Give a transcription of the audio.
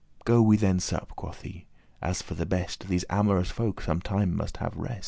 "Go we then sup," quoth he, "as for the best; These amorous folk some time must have rest."